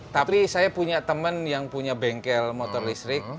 tapi saya punya teman yang punya bengkel motor listrik